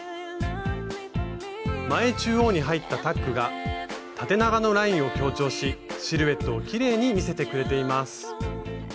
前中央に入ったタックが縦長のラインを強調しシルエットをきれいに見せてくれています。